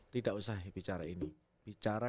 tidak usah bicara ini bicara